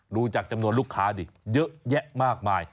ดูจากจำนวนลูกค้าดิเยอะแยะมากมาย